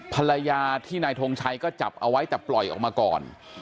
ภรรยาที่นายทงชัยก็จับเอาไว้แต่ปล่อยออกมาก่อน